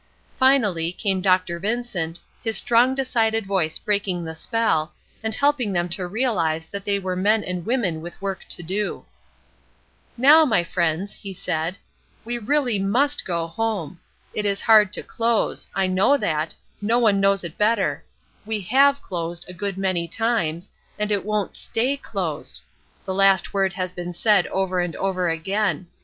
Finally came Dr. Vincent, his strong decided voice breaking the spell, and helping them to realize that they ware men and women with work to do: "Now, my friends," he said, "we really must go home; it is hard to close; I know that, no one knows it better: we have closed a good many times, and it won't stay closed. The last word has been said over and over again.